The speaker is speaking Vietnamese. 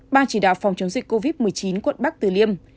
ban chỉ đạo phòng chống dịch covid một mươi chín quận bắc tử liêm